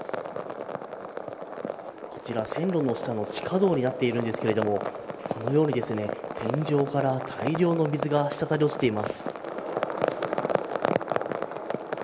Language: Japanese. こちら、線路の下の地下道になっているんですがこのように、天井から大量の水が滴り落ちています。